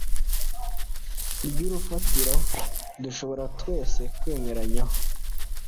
ry'urufatiro dushobora twese kwemeranyaho